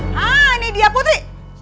hah ini dia putri